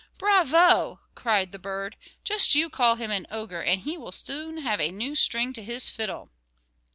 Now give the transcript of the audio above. "Bravo!" cried the bird, "just you call him an ogre, and he will soon have a new string to his fiddle."